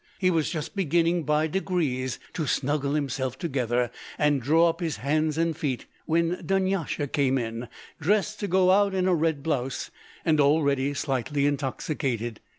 He was just beginning by degrees to snuggle himself together, and draw up his hands and feet, when Dunyasha came in, dressed to go out in a red blouse, and already slightly intoxicated.